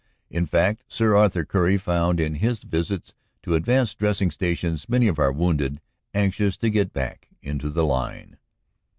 In fact Sir Arthur Currie found in his visits to advanced dressing stations many of our wounded anxious to get back into the line.